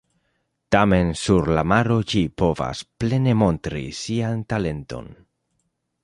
Tamen sur la maro ĝi povas plene montri sian talenton.